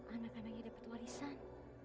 anak anaknya dapat warisan